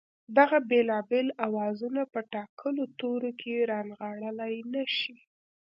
دغه بېلابېل آوازونه په ټاکلو تورو کې رانغاړلای نه شي